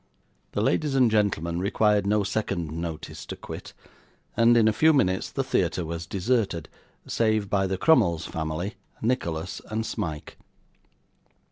The ladies and gentlemen required no second notice to quit; and, in a few minutes, the theatre was deserted, save by the Crummles family, Nicholas, and Smike.